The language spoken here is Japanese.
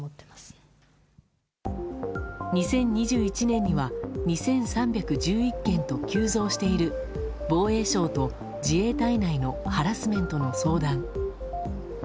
２０２１年には２３１１件と急増している防衛省と自衛隊内のハラスメントの相談。